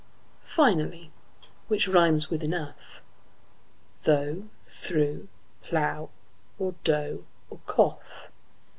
Finally: which rimes with "enough," Though, through, plough, cough, hough, or tough?